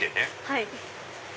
はい。